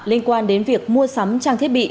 linh quan đến việc mua sắm trang thiết bị